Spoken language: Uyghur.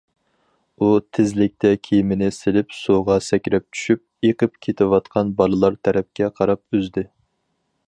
ئۇ تېزلىكتە كىيىمىنى سېلىپ سۇغا سەكرەپ چۈشۈپ، ئېقىپ كېتىۋاتقان بالىلار تەرەپكە قاراپ ئۈزدى.